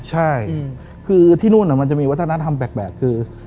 ใช่คือที่นู่นมันจะมีวัฒนธรรมแปลกคือ